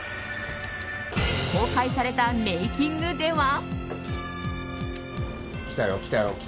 公開されたメイキングでは。